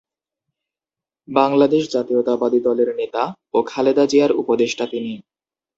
বাংলাদেশ জাতীয়তাবাদী দলের নেতা ও খালেদা জিয়ার উপদেষ্টা তিনি।